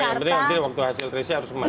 yang penting nanti waktu hasil kerja harus emas